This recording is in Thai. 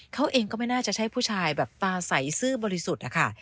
เขาเองก็ไม่น่าจะใช่ผู้ชายแบบตาใสซื่อบริสุทธิ์นะคะ